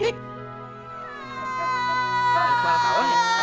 eh misalnya tanpa bantuan begitu